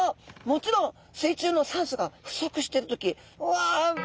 もちろん水中の酸素が不足してる時うわ！